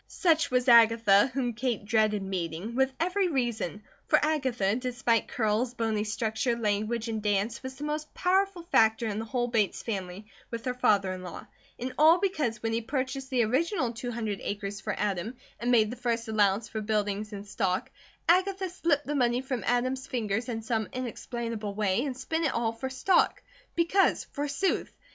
Such was Agatha, whom Kate dreaded meeting, with every reason, for Agatha, despite curls, bony structure, language, and dance, was the most powerful factor in the whole Bates family with her father in law; and all because when he purchased the original two hundred acres for Adam, and made the first allowance for buildings and stock, Agatha slipped the money from Adam's fingers in some inexplainable way, and spent it all for stock; because forsooth!